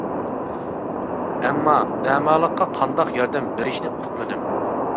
ئەمما دەماللىققا قانداق ياردەم بېرىشنى ئۇقمىدىم.